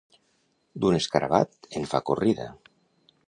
D'un escarabat en fa corrida.